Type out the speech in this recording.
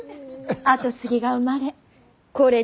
跡継ぎが生まれ